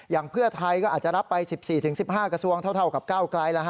อย่างเพื่อไทยก็อาจจะรับไป๑๔๑๕กระทรวงเท่ากับเก้าไกรแล้วฮะ